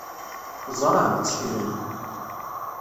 Ẓran, tteklen.